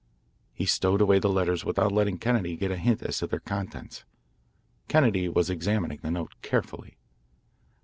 He stowed away the letters without letting Kennedy get a hint as to their contents. Kennedy was examining the note carefully.